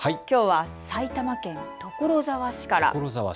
きょうは埼玉県所沢市から。